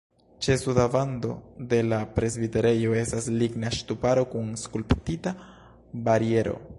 Ĉe suda vando de la presbiterejo estas ligna ŝtuparo kun skulptita bariero.